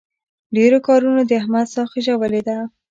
ډېرو کارونو د احمد ساه خېژولې ده.